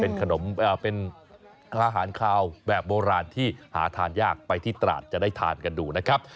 เป็นขนมเป็นอาหารคาวแบบโบราณที่หาทานยากไปที่ตราดจะได้ทานกันดูนะครับ